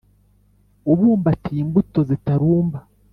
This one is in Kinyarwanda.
Ubumbatiye imbuto zitarumba